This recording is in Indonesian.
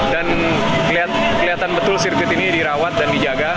dan kelihatan betul sirkuit ini dirawat dan dijaga